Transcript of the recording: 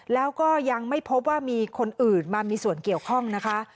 แล้วก็ยังไม่พบว่ามีคนอื่นมามีส่วนเกี่ยวข้องนะคะ